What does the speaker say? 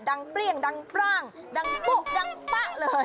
เปรี้ยงดังปร่างดังปุ๊ดังป๊ะเลย